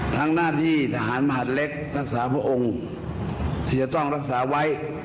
หน้าที่ทหารมหาดเล็กรักษาพระองค์ที่จะต้องรักษาไว้